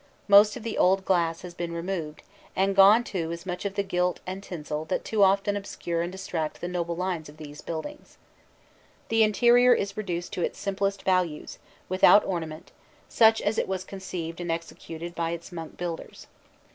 Most of the old glass has been removed, and gone too is much of the gilt and tinsel that too often obscure and distract the noble lines of these buildings. The interior is reduced to its simplest values, without ornament, such as it was conceived and executed by its monk builders.